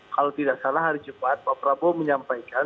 kalau tidak salah hari jumat pak prabowo menyampaikan